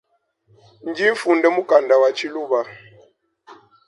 Ndinfunda mukanda wa tshiluba.